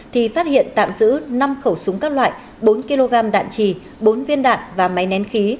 thì phát hiện tạm giữ năm khẩu súng các loại bốn kg đạn trì bốn viên đạn và máy nén khí